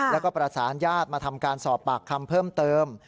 แล้วก็ประสานญาติมาทำการสอบปากคำเพิ่มเติม